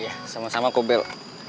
iya sama sama kok bel